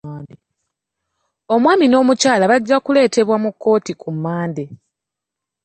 Omwami n'omukyala bajja kuleetebwa mu kkooti ku Mande.